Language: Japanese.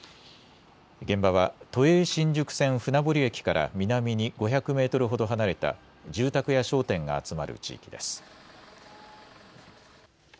現場は都営新宿線船堀駅から南に５００メートルほど離れた住宅や商店が集まる地域です。